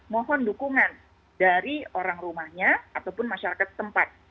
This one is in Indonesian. mohon dukungan dari orang rumahnya ataupun masyarakat tempat